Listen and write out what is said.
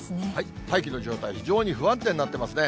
大気の状態、非常に不安定になってますね。